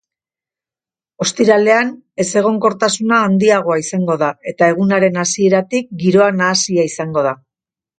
Ostiralean ezegonkortasuna handiagoa izango da eta egunaren hasieratik giroa nahasia izango da.